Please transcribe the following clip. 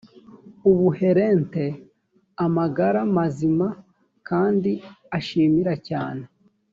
ubu helen te amagara mazima kandi ashimira cyane